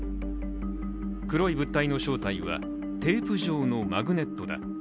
黒い物体の正体はテープ上のマグネットだ。